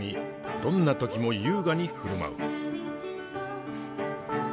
どんな時も優雅に振る舞う。